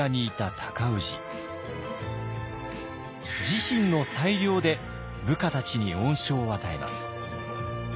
自身の裁量で部下たちに恩賞を与えます。